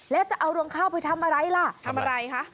แล้วจะเอารวงข้าวไปทำอะไรล่ะทำอะไรคะ